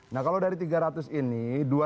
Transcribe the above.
nah kalau dari tiga ratus ini